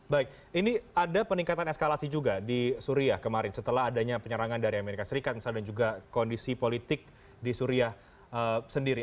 baik ini ada peningkatan eskalasi juga di suria kemarin setelah adanya penyerangan dari amerika serikat misalnya dan juga kondisi politik di suriah sendiri